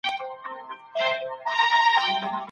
زین وايي مقاومت ټیټه کچه ده.